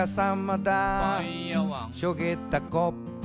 「しょげたコップに」